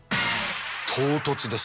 唐突です。